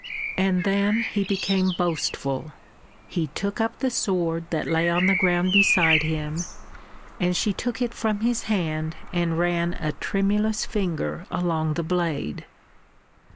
And then he became boastful. He took up the sword that lay on the ground beside him, and she took it from his hand and ran a tremulous finger along the blade.